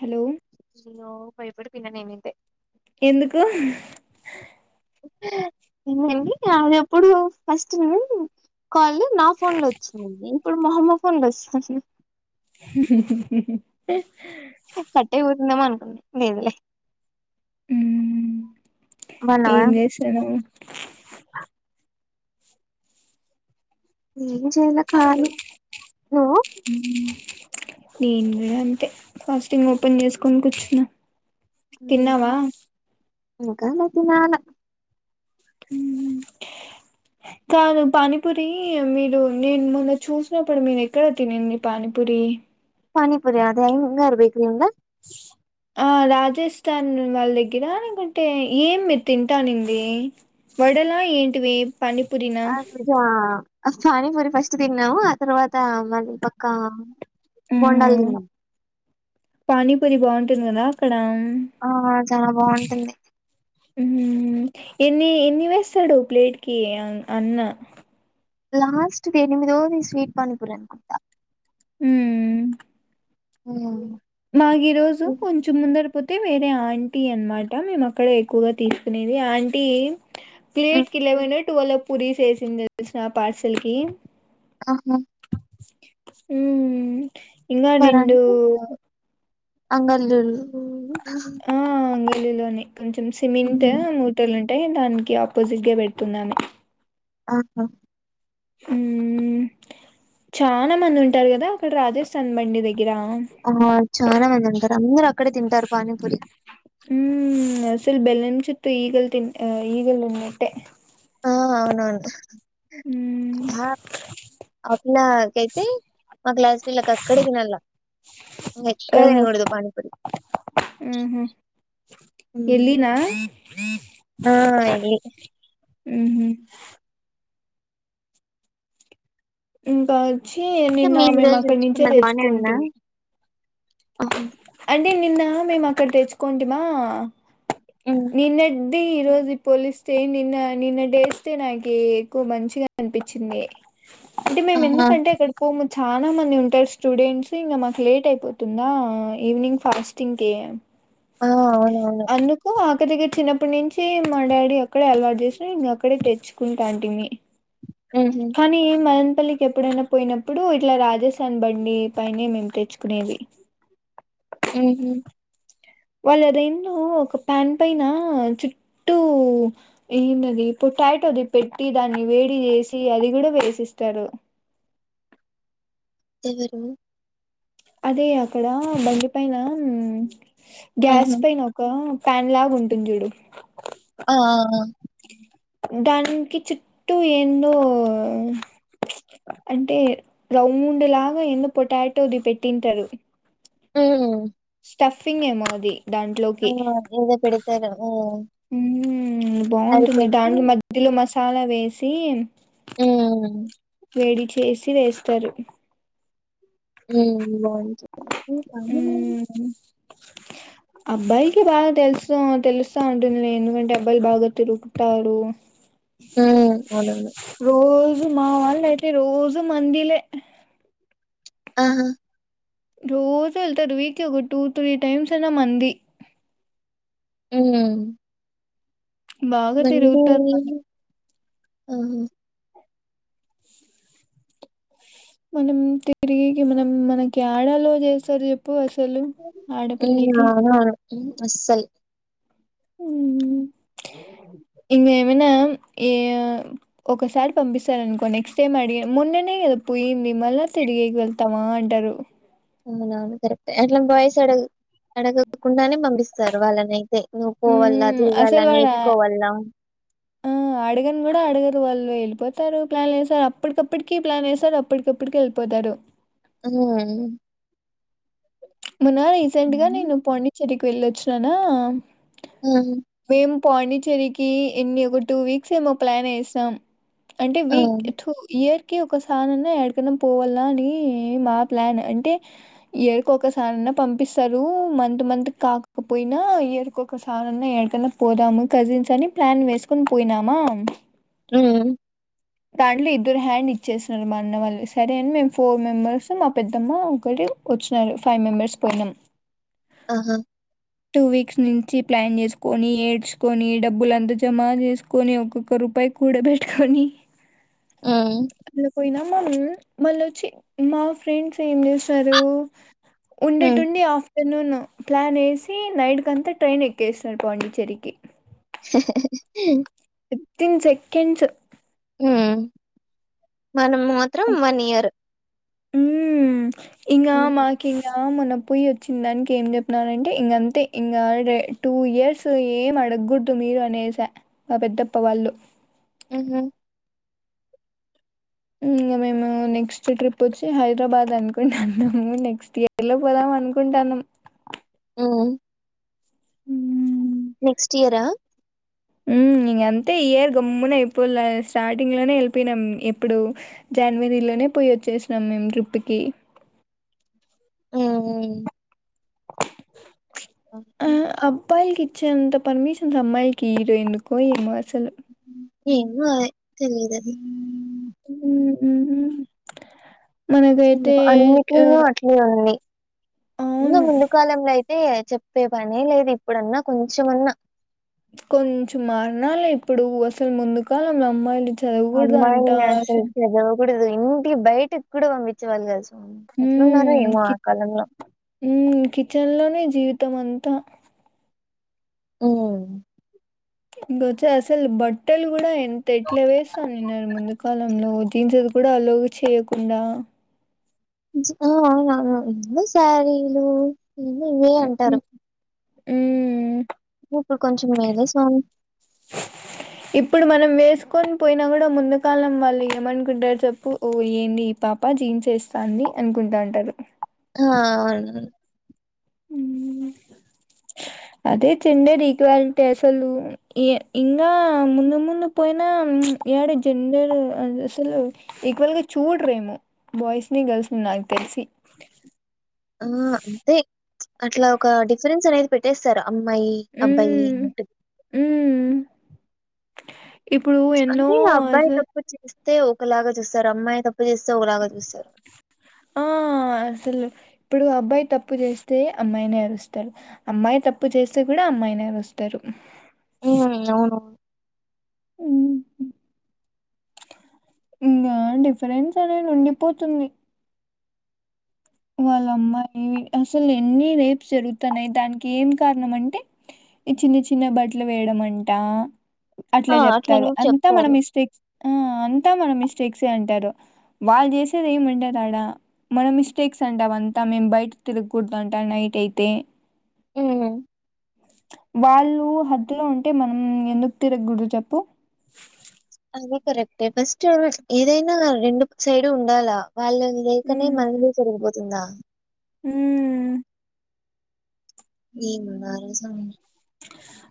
Hello hello భయపడు ఇంకా నేనుంటే ఎందుకు ఏండి అదిప్పుడు ఫస్ట్ నేను కాల్ నా ఫోన్ లో వచ్చింది ఇప్పుడు మా అమ్మ ఫోన్ లో వస్తుంది ఉహూ కట్టే పోతుంద మన మీదులే హ్మ్ ఏం బావున్నావా చేస్తున్నవు ఏం చేయలే కాలి నువ్వు నేను గూడా అంతే ఫాస్టింగ్ ఓపెన్ చేసుకొని కూర్చున్నా తిన్నావా ఇంకా మతినాలె హుహ్మ్ కాదు పానీపూరి మీరు నేను మొన్న చూసినప్పుడు మీరు ఎక్కడ తినింది పానీపూరి పానీపురి అదే ఇంగారు బేకరి ఇంగా ఆ రాజస్థాన్ వాళ్ళ దగ్గర అనుకుంటే ఏం మీరు తింటా అనింది వడలా ఏంటివి పానీపూరినా అక్ జా ఆ పానీపూరి ఫస్ట్ తిన్నావ్ ఆ తర్వా త మళ్ళీ పక్క మ్మ్ బోండాల్తిన్నం పానీపూరి బాగుంటుంది కదా అక్కడ ఆహ చాలా బాగుంటుంది హ్మ్ ఎన్ని ఎన్ని వేస్తడు ప్లేట్ కి అన్ అన్న లాస్ట్ ది ఎనిమిదవది స్వీట్ పానీపూరి అనుకుంటా హ్మ్ హ్మ్ మాగీరోజు కొంచెం ముందర పోతే వేరే ఆంటీ అనమాట మేము అక్కడ ఎక్కువగా తీసుకునేది ఆంటీ ప్లేట్ కి లెవెన్ టువెల్ పూరీస్ ఏసింది తెల్సా పార్సల్ కి ఆహా ఉహ్మ్ ఇంగా నిండు అంగల్లులు ఆంగల్లిలోనే కొంచెం సిమెంట్ మూటలు ఉంటాయి దాని కి ఆపోజిట్గా పెడుతుందామె ఆహా హ్మ్ చానా మంది ఉంటారు కదా అక్కడ రాజస్థాన్ బండి దగ్ ఆ చానా మంది ఉంటారు అందర హ్మ్ అసల్ బెల్లం చ చుట్టు ఈగల్ తి ఆ ఈగల్ ఉన్నట్టె ఆ అవునవును మ్మ్ హా అట్లాకైతే మా క్లాస్ పిల్లకు అక్కడే తినాళ్ళ ఇంగెక్కడ ఓహో తినకూడదు పానీపూరీ మ్మ్ హు హ్మ్ ఎల్లినా ఆ యెల్లి హుహ్మ్ బా వచ్చి అయితే నిన్న మీరు ఈ మేము రోజు అక్కడి నుంచే తెచ్చుకున్నది బానేనా తెచ్చుకుంటీమి ఆహా అంటే నిన్న ఆ మేము అక్కడ తెచ్చుకోంటిమ హ్మ్. నిన్న అదే ఈ రోజు పోలిస్తే నిన్న నిన్న టేస్టే నాకి ఎక్కువ మంచిగా అనిపించింది అంటే మేము ఆహా ఎందుకంటే ఆక్కడ పోము చాలా మంది ఉంటారు స్టూడెంట్స్ ఇంగ మాకు లేట్ అయిపోతుంది ఆతుందా ఈవినింగ్ ఫాస్టింగ్ క ఆ అవునవును అందుకు ఆ అక్క దగ్గర చిన్నప్పటి నుంచి మా డాడీ అక్కడే అలవాటు చేసినా ఇంక అక్కడే తెచ్చుకుంటా అంటి మీ ఉహు కానీ ఏ మం పల్లికి ఎప్పుడైనా పోయినప్పుడు ఇట్లా రాజసన్ బండి పైనే మేము తెచ్చుకునేది ఊహు వాళ్ళు అదేందో ఒక ప్యాన్ పైన చుట్టూ ఏంటది పొటాటో అది పెట్టి దాన్ని వేడి చేేసి అది కూడా వేసిస్తారు ఎవరు అదే అక్కడ బండి పైన గ్యాస్ ఆహా పైనొక ఫ్యాన్ లాగా ఉంటుంది చూడు ఆ ఆ ఆ దానికి చుట్టూ ఏందో అంటే రౌండ్ లాగా ఏందో పొటాటోది పెట్టింటారు ఆ స్టఫింగ్ ఏమో అది ఆ ఎందో పెడ్ [unintelligible] ఊ హూ ఊ అది బాగుంటుంది పెట్టి దాంట్లో మధ్యలో మసాలా వే సీన్ ఆ వేడి చేసి వేస్తారు ఊ బాగుంటది అబ్బాయిలకి బాగా తెలుసు తెలుస్తా ఉంటుంది లే ఎందుకంటే అబ్బాయిలు బాగా తిరుగుతారు ఆ అవునును రోజు మా వాళ్ళు అయితే రోజు మందిలే ఆహా రోజు వెళ్తారు వీక్ ఒక టూ త్రీ టైమ్స్ అయినా మంది ఊహు బాగా తిరుగుతారు కానీ అహా మనం తిరిగేకి మనం మనకి యాడ అలో చేస్తారు చెప్పు అస్ [inaudible] అస్సల్ ఉ ఇంగ ఏమైనా ఏ ఒకసారి పంపిస్తారునుకో నెక్స్ట్ డే అడిగాం మొన్ననే కదా పోయింది మళ్ళా తిరిగేకి వెళ్తావా అంటారు అవునవును కరెక్టే అట్లా బాయ్స్ అడ అడగకుండానే పంపిస్తారు వాళ్ళనైతే నువ్వు పోవల్ల హ్మ్. అసలు తిరగల్ల వాడు ఆ నేర్చుకోవల్ల ఆ అడగని కూడా అడగరు వాళ్ళు వెళ్ళిపోతారు ప్లాన్లు ఏస్తారు అప్పటికప్పటికి ప్లాన్ వేస్తారు అప్పటికిప్పటికి వెళ్ళిపోతారు హ్మ్. మనా రీసెంట్ గా హ్మ్. నేను పాండిచ్చరి కి వెళ్ళొచ్చినాన ఉహు పాండిచ్చేరికి ఎన్ని ఒక టూ వీక్స్ ఏమో ప్లాన్ ఏశాం అంటే ఆ! వీక్ టు ఇయర్ కి ఒకసారన్న ఎడకన్నా పోవల్ల అని మా ప్లాన్ అంటే ఇయరికి ఒకసారన్నా పంపిస్తారు మంత్ మంత్ కి కాకపోయినా ఇయరికి ఒకసారన్నా ఏడకన్నా పోదాము కజిన్స్ అని ప్లాన్ వేసుకొని పోయినామా ఉ దాంట్లో ఇద్దరు హ్యాండ్ ఇచ్చేసనారు మా అన్న వాళ్ళు సరే అని మేము ఫోర్ మెంబర్స్ మా పెద్దమ్మ ఒకటి వచ్చినారు ఫైవ్ మెంబర్స్ పోయినాం ఆహా టూ వీక్స్ నుంచి ప్లాన్ చేసుకొని ఏడ్చుకొని డబ్బులంతా జమ చేసుకొని ఒక్కొక్క రూపాయి కూడ బెట్టుకొని హ్మ్. అట్ల పోయిన మల్ మళ్ళొచ్చి మా ఫ్రెండ్స్ ఏం చేసారు హ్మ్. ఉండట్టుండి ఆఫ్టర్నూను ప్లాన్ ఏసి నైట్ కంతా ట్రైన్ ఎక్కేసినారు పాండిచ్చేరికి హు హు హు హు హు వితిన్ సెకండ్స్ ఉ మనం మాత్రం వన్ ఇయర్ ఊ ఇంగ హ్మ్. మాకింగా ఆ మొన్న పొయ్యి వచ్చిన దానికి ఏం చెప్పినారంటే ఇంకంతే ఇంకా టూ ఇయర్స్ ఏం అడగకూడదు మీరు అనేసా మా పెద్దప్ప వాళ్ళు ఉహు ఇంగ మేము నెక్స్ట్ ట్రిప్ వచ్చి హైదరాబాద్ అనుకుంటున్నాము నెక్స్ట్ ఇయర్ లో పోదాం అనుకుంటన్నాం ఉ ఉ నెక్స్ట్ ఇయరా ఉ ఇగ అంతే ఈ ఇయర్ గమ్మున అయిపోల్ల స్టార్టింగ్ లోనే వెళ్ళిపోయినాం ఎప్పుడు జనవరిలోనే పోయి వచ్చేసినాం మేము ట్రిప్ కి ఉ ఉ ఆ అబ్బాయిలికి చే అంత పర్మిషన్ అమ్మాయిలికి ఇయ్యరు ఎందుకో ఏమో అస్సలు ఏను తెలిదది ఉ అన్నిట్న అట్లే ఉంది. ఇన్న అవును ముందు కాలంలోయితే అంతే చెప్పే పని లేదు. ఇప్పుడన్నా కొంచంన్నా కొంచెం మారణాలు ఇప్పుడు అసలు ముందు కాలం అమ్మాయిలు చదవకూడదు అంట అమ్మాయి అసలు [unintelligible] కుడదు ఇంటికి బయటకి కూడా పంపిచ్చ వాళ్ కాు హు కి కిచెన్లోనే జవి కుతమంత ఉ గచ అసెలు బట్టలు గుడా అంత ఎట్లా వేసా న ముందు కాలంలో జీన్స్లు కూడా అలో చేయకుండా ఆ అవునా ఎంత సారీలు నను ఇవ అంటారు ఉ ఇప్పుడు కొంచం మేలే స్వామి. తీసుకొని పోయినా కూడా ముందు కాలం వాళ్ళు ఏమనుకుంటారు చెప్పు ఓ ఏంది ఈ పాప జీన్స్ వేస్తాంది అనుకుంటా ఉంటారు. ఆ అవును అదే జెండర్ ఈక్వాలిటీ అసలు ఇంకా ముందు ముందు పోయినా ఇడ జెండర్ అసలు ఈక్వల్గా చూడ్రేమో బాయ్స్ ని, గర్ల్స్ ని నాకు తెలిసి. ఆ అంతే అట్లా ఒక డిఫరెన్స్ అనేది పెట్టేస్తారా అమ్మాయి, అబ్బాయి ఉమ్ ఇ ఉమ్ ఇప్పుడు ఎన్నో అస్ అయితే ఒకలాగా చూస్తారు అమ్మాయి తప్పు చేస్తే ఒకలాగా చూస్తారు. ఆ అసలు ఇప్పుడు అబ్బాయి తప్పు చేస్తే అమ్మాయినే అరుస్తారు. అమ్మాయి తప్పు చేస్తే కూడా అమ్మాయినే అరుస్తారు. ఉ అవును ఇంకా డిఫరెన్స్ అనేది ఉండిపోతుంది వాళ్ళ అమ్మాయి అసలు ఎన్ని రేప్స్ జరుగుతున్నాయి. దానికి ఏం కారణం అంటే ఈ చిన్న చిన్న బట్టలు వేయడం అంట. అట్లా ఆ! చెప్తారు. అట్లనే అంతా మన చెప్తారు. మిస్టేక్స్ ఆ అంతా మన మిస్టేక్స్ అంటారు. వాళ్ళు చేసేది ఏమంటారు ఆడా మనం మిస్ మిస్టేక్స్ అంటా అంతా మేం బయట తిరగకూడదు. అంటాం నైట్ అయితే ఉ వాళ్ళు హద్దులో ఉంటే మనం ఎందుకు తిరగకూడదు చెప్పు. అది కరెక్ట్ అదే ఫస్ట్ ఏదైనా రెండు సైడ్ ఉండాలా. వాళ్ళ లేకనే మనలీ జరిగపోంది న్నా హ ఏమన్నారు స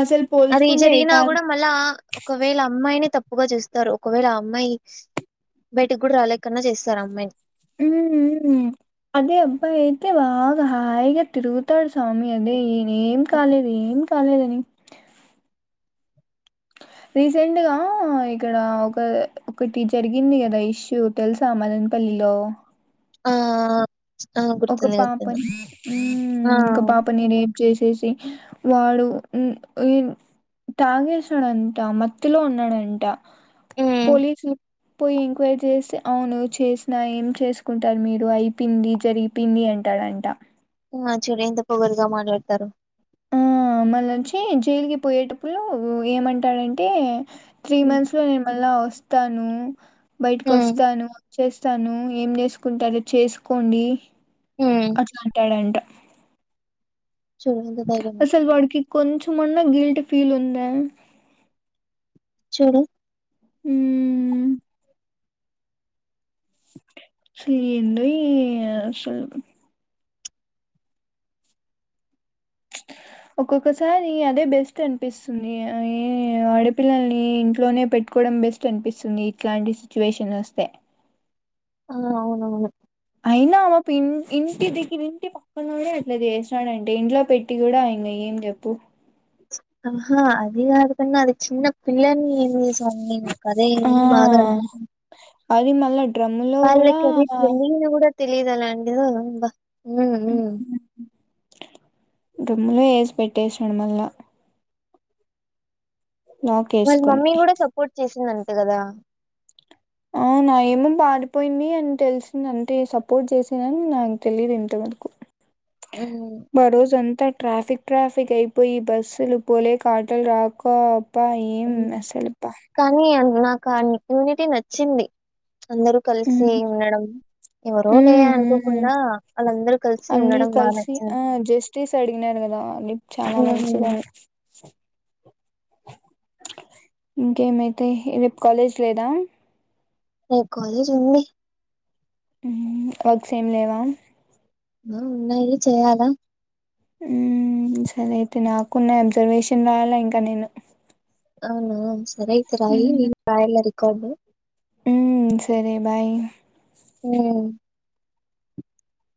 అసలు అది పోల్చుకుంటే ఏ జరిగినా కాలం కూడా మళ్ళా ఒకవేళ అమ్మాయి తప్పు ఎక్కువగా చూస్తారు ఒకవేళ అమ్మాయి బయటకు కూడా రాలేకన్నా చేస్తారు అమ్మాయిని ఉ అదే అబ్బాయి అయితే బాగా హాయిగా తిరుగుతాడుస స్వామి అదే ఏం కాలేదు ఏం చాలేదని రీసెంట్గా ఇక్కడ ఒక ఒకటి జరిగింది కదా ఇష్యూ తెలుసా మదనపల్లిలో ఆ ఆ! ఒక గుర్తుంది. గుర్తుంది. పాపని ఆ! ఒకంకా పాప నడి చేసేసి వాడు తాగేసాడంట మత్తిలో ఉన్నాడంట హ్మ్. పోలీసులు పోయి ఎంక్వైరీ చేసి అవును చేసిన ఏం చేసుకుంటారు మీరు అయిపోంది జరిగి పింన్ని అంటాడంట చూడు ఎంత పొగరుగా మాట్లాడతారు మళ్ళ నుంచి జైలుకి పోయేటప్పుడు ఏమంటాడంటే త్రీ హ్మ్. మంత్స్ లో నేను మళ్ళ వస్తా తను బయటికి హ్మ్. వస్తాను చేస్తాను ఏం చేసుకుంటారో చేసుకోండి హ్మ్. అట్లా అంటాడంట చూడు ఎంత ధైర్యమో కొంచమ అన్నా గిల్ట్ ఫీల్ ఉందా చూడు హ అస్సలు ఏందో అస్సలు ఒక్కొక్కసారి అదే బెస్ట్ అనిపిస్తుంది ఆడపిల్లల్ని ఇంట్లోనే పెట్టుకోవడం బెస్ట్ అనిపిస్తుంది ఇట్లాంటి సిచ్యువేషన్ వస్తే ఆ అవునవును అయినా అమ్ ఇంటి దగర ఇంటి పక్కననే అట్లా చేసాడంటే ఇంట్లో పెట్టి కూడా ఆయన ఏం చెప్పు ఆహా అదే అదు ప అది చిన్న పిల్లల్ని ఏమి సని నాకు అదే ఆ బాధ అనిపిస్తంది అది మళ పల్లకి రీతిను కూడా తెలిదల అండిబా డ్రమ్ములో వేసి పెట్టేసాడు మళ్ళా లాక్ వాళ్ళ వేసుకొని మమ్మీ కూడా సపోర్ట్ చేసిందంమా అ కదా ఆ నా ఏమో పాారిపోయింది అని తెలిసింది అంటే సపోర్ట్ చేసిందని నాకు తెలియదు ఇంతవరకు ఉమ్ భరోజంత ట్రాఫిక్ ట్రాఫిక్ అయిపోయి బస్సులు పోలేకా ఆటోలు రాక పై ఉమ్. మె సలు ప కానీ అన్- నాకు ఆ ఇమ్యూనిటీ నచ్చింది అందరుూ కలిసి ఉమ్ ఉండడం ఎవరో లే ఉమ్ ఉమ్ అనుకోకుండా వాళ్ళందరూ కలిసి అందరూ ఉండడం బాగా కలిసి నచ్చంది ఆ జస్టిస్ అడిగినారు కదా రేపు చాలా మంచిదని ఇంకేమైతే రేపు కాలేజ్ లేదా న కాలేజ్ ఉంది హామ్ వర్క్స్ ఏం లేవా ఆ ఉన్నాయి చేయాలా హం సరే అయితే నాకున్న అబ్జర్వేషన్ రాాలా ఇంకా నేను అవున సరే అయితే రాయి న రాయ ఎలా కదు ఉ సరే బాయ్ అ